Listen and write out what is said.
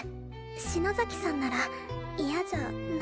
篠崎さんなら嫌じゃないので。